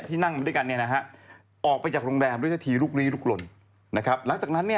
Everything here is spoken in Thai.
กลัวว่าผมจะต้องไปพูดให้ปากคำกับตำรวจยังไง